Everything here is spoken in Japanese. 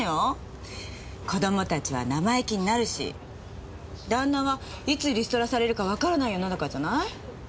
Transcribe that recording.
子供たちは生意気になるし旦那はいつリストラされるかわからない世の中じゃない？